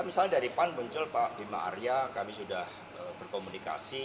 misalnya dari pan muncul pak bima arya kami sudah berkomunikasi